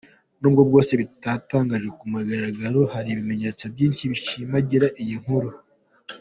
N’ubwo bwose bitatangajwe ku mugaragaro hari ibimenyetso byinshi bishimangira iyi nkuru: